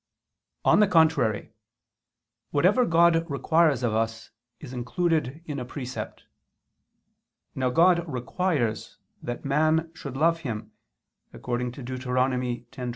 On the contrary, Whatever God requires of us is included in a precept. Now God requires that man should love Him, according to Deut. 10:12.